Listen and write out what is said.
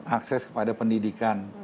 akses kepada pendidikan